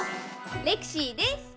レクシーです！